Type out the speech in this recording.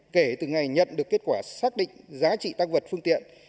kể từ ngày nhận được kết quả xác định giá trị tăng vật phương tiện